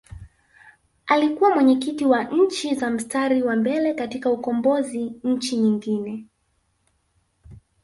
Alikuwa mwenyekiti wa Nchi za Mstari wa Mbele katika ukombozi Nchi nyingine